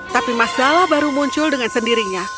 tapi masalah baru muncul dengan sendirinya